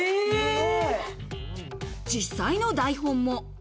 実際の台本も。